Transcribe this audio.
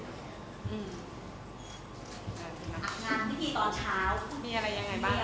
งานเมื่อกี้ตอนเช้ามีอะไรอย่างไรบ้าง